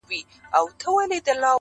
د انسان پیوند د اړتیا